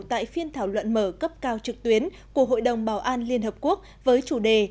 tại phiên thảo luận mở cấp cao trực tuyến của hội đồng bảo an liên hợp quốc với chủ đề